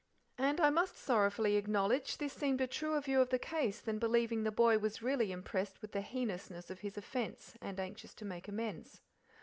And I must sorrowfully acknowledge this seemed a truer view of the case than believing the boy was really impressed with the heinousness of his offence and anxious to make amends.